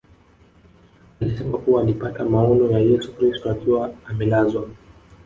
Alisema kuwa alipata maono ya Yesu Kristo akiwa amelazwa